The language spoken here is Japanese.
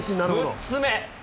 ６つ目。